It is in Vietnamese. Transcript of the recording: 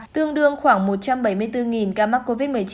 tương đương khoảng một trăm bảy mươi bốn ca mắc covid một mươi chín